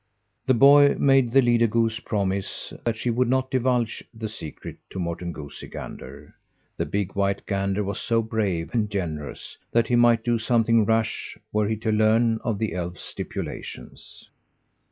The boy made the leader goose promise that she would not divulge the secret to Morten Goosey Gander. The big white gander was so brave and generous that he might do something rash were he to learn of the elf's stipulations.